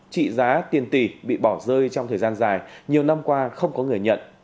trị giá tiền tỷ bị bỏ rơi trong thời gian dài nhiều năm qua không có người nhận